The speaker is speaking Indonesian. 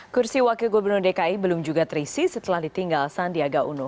kursi wakil gubernur dki belum juga terisi setelah ditinggal sandiaga uno